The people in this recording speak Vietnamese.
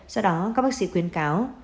sau đó các bác sĩ khuyến cáo